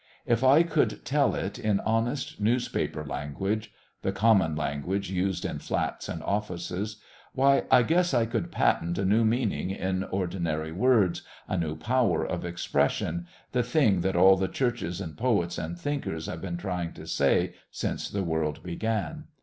If I could tell it in honest newspaper language the common language used in flats and offices why, I guess I could patent a new meaning in ordinary words, a new power of expression, the thing that all the churches and poets and thinkers have been trying to say since the world began.